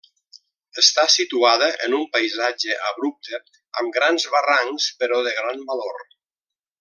Està situada en un paisatge abrupte, amb grans barrancs, però de gran valor.